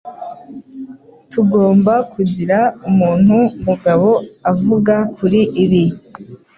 Tugomba kugira umuntu-mugabo avuga kuri ibi.